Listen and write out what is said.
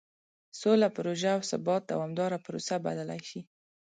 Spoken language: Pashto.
سوله پروژه او ثبات دومداره پروسه بللی شي.